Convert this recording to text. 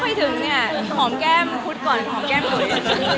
ก็เคยถึงเนี่ยหอมแก้มพุทธก่อนหอมแก้มหน่อย